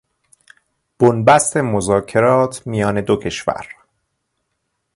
بن بست مذاکرات میان دو کشور